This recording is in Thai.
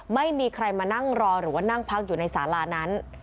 ไม่มีใครมานั่งรอหรือว่านั่งพักอยู่ในสารานั้น